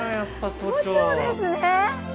都庁ですね。